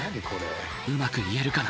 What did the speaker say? うまく言えるかな。